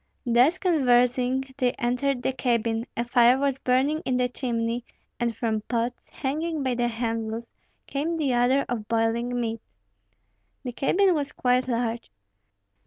Thus conversing, they entered the cabin; a fire was burning in the chimney, and from pots, hanging by the handles, came the odor of boiling meat. The cabin was quite large.